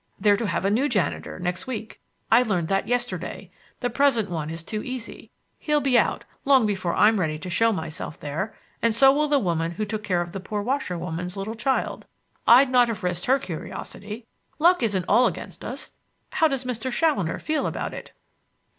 They're to have a new janitor next week. I learned that yesterday. The present one is too easy. He'll be out long before I'm ready to show myself there; and so will the woman who took care of the poor washerwoman's little child. I'd not have risked her curiosity. Luck isn't all against us. How does Mr. Challoner feel about it?"